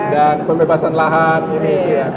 dan pembebasan lahan ini